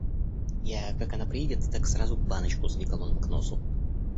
Я, как она придет, так сразу баночку с одеколоном к носу.